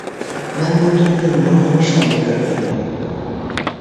مەن بۇ تۈرمىدە نۇرغۇن ئىشلارنى كۆردۈم.